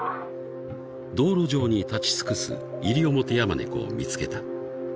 ［道路上に立ち尽くすイリオモテヤマネコを見つけた］